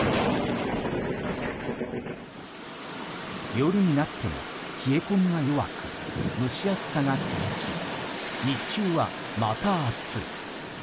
夜になっても冷え込みは弱く蒸し暑さが続き日中はまた暑い。